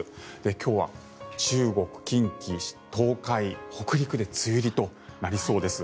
今日は中国、近畿、東海、北陸で梅雨入りとなりそうです。